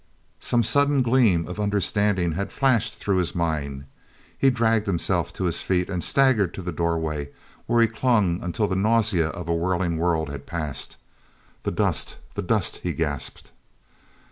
Some sudden gleam of understanding had flashed through his mind. He dragged himself to his feet and staggered to the doorway where he clung until the nausea of a whirling world had passed. "The dust! The dust!" he gasped.